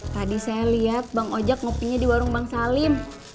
tadi saya lihat bang ojek ngopinya di warung bang salim